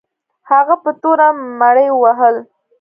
هغه په توره مړي وهل.